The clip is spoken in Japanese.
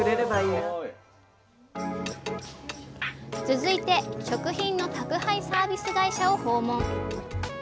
続いて食品の宅配サービス会社を訪問。